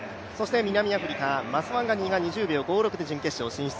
南アフリカ、マスワンガニーが２０秒５６で決勝進出。